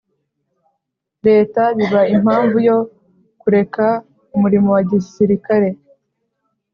Leta biba impamvu yo kureka umurimo wa gisirikare